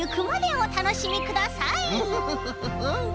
ムフフフフフ！